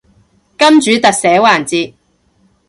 金主特寫環節